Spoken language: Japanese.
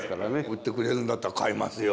売ってくれるんだったら買いますよ。